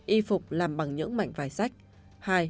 một y phục làm bằng những mảnh vài sách